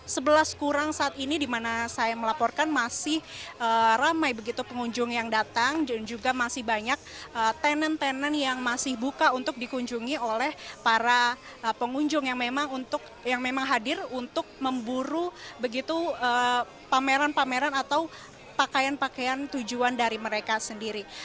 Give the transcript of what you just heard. sebelas kurang saat ini di mana saya melaporkan masih ramai begitu pengunjung yang datang dan juga masih banyak tenen tenen yang masih buka untuk dikunjungi oleh para pengunjung yang memang hadir untuk memburu begitu pameran pameran atau pakaian pakaian tujuan dari mereka sendiri